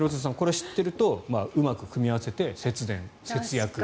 それを知ってるとうまく組み合わせて節電、節約。